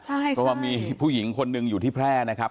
เพราะว่ามีผู้หญิงคนหนึ่งอยู่ที่แพร่นะครับ